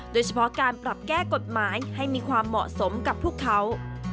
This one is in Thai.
โดยเฉพาะการปรับแก้กฎหมายให้มีความเหมาะสมกับพวกเขา